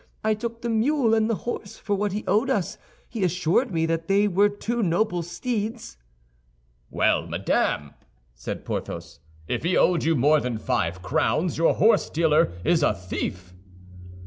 I took the mule and the horse for what he owed us; he assured me that they were two noble steeds." "Well, madame," said Porthos, "if he owed you more than five crowns, your horsedealer is a thief."